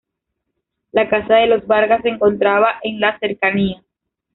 La casa de los Vargas se encontraba en las cercanías.